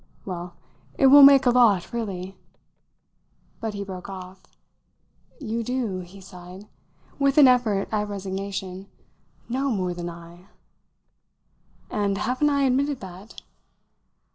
"Well, it will make a lot, really !" But he broke off. "You do," he sighed with an effort at resignation, "know more than I!" "And haven't I admitted that?"